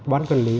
ban quản lý